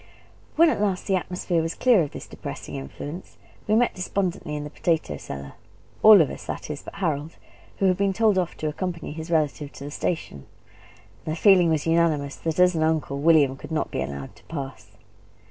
When at last the atmosphere was clear of this depressing influence, we met despondently in the potato cellar all of us, that is, but Harold, who had been told off to accompany his relative to the station; and the feeling was unanimous, that, at an uncle, William could not be allowed to pass.